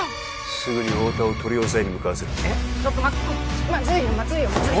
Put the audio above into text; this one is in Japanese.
すぐに太田を取り押さえに向かわせるえっちょっと待ってまずいよまずいよまずいよ